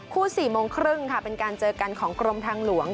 ๔โมงครึ่งค่ะเป็นการเจอกันของกรมทางหลวง